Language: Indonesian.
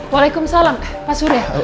waalaikumsalam pak surya